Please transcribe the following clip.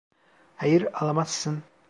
Hayır, alamazsın.